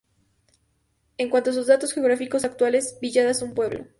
En cuanto a sus datos geográficos actuales, Villada es un pueblo.